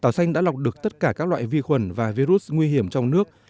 tảo xanh đã lọc được tất cả các loại vi khuẩn và virus nguy hiểm trong nước